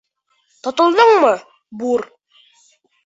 Тотолдоңмо, бур!